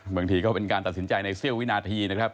บางทีก็เป็นการตัดสินใจในเสี้ยววินาทีนะครับ